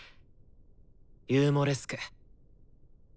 「ユーモレスク」。